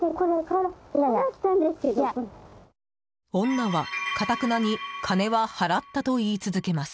女は、かたくなに金は払ったと言い続けます。